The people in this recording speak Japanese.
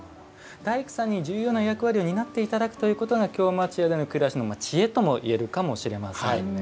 大工さんに重要な役割を担っていただくということが京町家での暮らしの知恵とも言えるかもしれませんね。